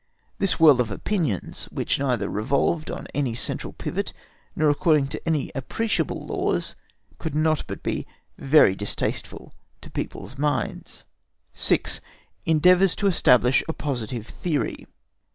This whirl of opinions, which neither revolved on any central pivot nor according to any appreciable laws, could not but be very distasteful to people's minds. 6. ENDEAVOURS TO ESTABLISH A POSITIVE THEORY.